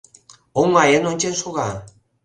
Оҥайын ончен шога.